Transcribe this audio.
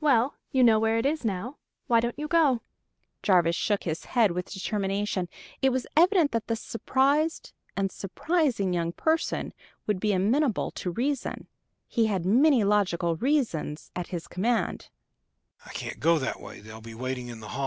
"Well, you know where it is now; why don't you go?" Jarvis shook his head with determination: it was evident that this surprised and surprising young person would be amenable to reason he had many logical reasons at his command.